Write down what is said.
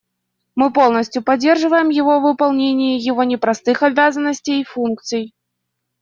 Мы полностью поддерживаем его в выполнении его непростых обязанностей и функций.